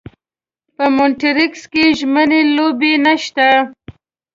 په مونټریکس کې ژمنۍ لوبې نشته.